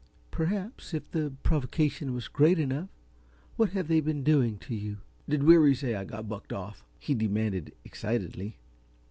"Perhaps, if the provocation was great enough. What have they been doing to you?" "Did Weary say I got bucked off?" he demanded, excitedly.